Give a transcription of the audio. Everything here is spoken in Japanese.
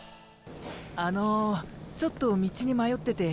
あのちょっと道に迷ってて。